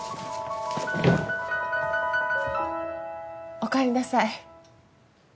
・おかえりなさい。